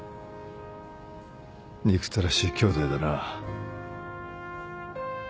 憎たらしい兄弟だな。